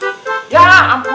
pusan pusan pegang dulu